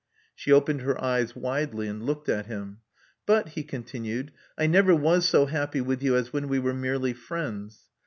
She opened her eyes widely, and looked at him. "But," he continued, "I never was so happy with you as when we were merely friends.